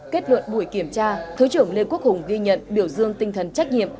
kết luận buổi kiểm tra thứ trưởng lê quốc hùng ghi nhận biểu dương tinh thần trách nhiệm